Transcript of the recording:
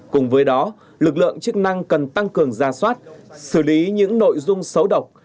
cùng với đó lực lượng chức năng cần tăng cường ra soát xử lý những nội dung xấu độc